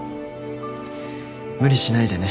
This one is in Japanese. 無理しないでね。